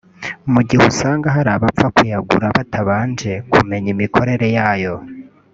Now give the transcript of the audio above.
mu gihe usanga hari abapfa kuyagura batabanje kumenya imikorere yayo